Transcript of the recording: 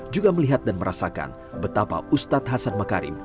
juga melihat dan merasakan betapa ustadz hasan makarim